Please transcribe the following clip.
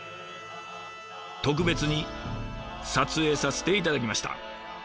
特別に撮影させて頂きました。